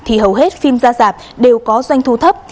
thì hầu hết phim ra dạp đều có doanh thu thấp